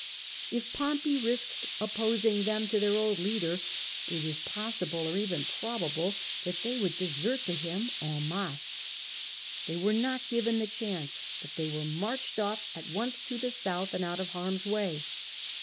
If Pompey risked opposing them to their old leader, it was possible, or even probable, that they would desert to him en masse. They were not given the chance, but were marched off at once to the south, out of harm's way.